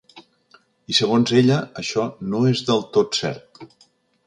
I segons ella això no és del tot cert.